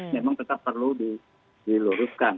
memang tetap perlu diluruskan